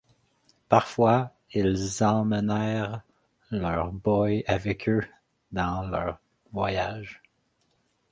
Parfois, ils emmenèrent leur boy avec eux dans leurs voyages.